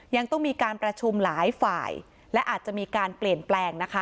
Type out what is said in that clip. ยังต้องมีการประชุมหลายฝ่ายและอาจจะมีการเปลี่ยนแปลงนะคะ